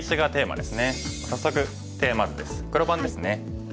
黒番ですね。